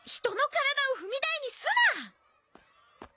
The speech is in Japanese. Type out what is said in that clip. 人の体を踏み台にすな！